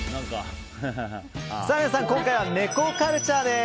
今回は猫カルチャーです。